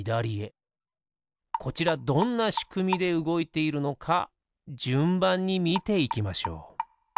こちらどんなしくみでうごいているのかじゅんばんにみていきましょう。